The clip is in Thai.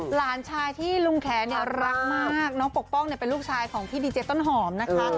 หลานชายที่ลุงแขนเนี่ยรักมากน้องปกป้องเป็นลูกชายของพี่ดีเจต้นหอมนะคะ